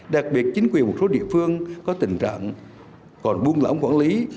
đặc biệt chính quyền một số địa phương có tình trạng còn buôn lỏng quản lý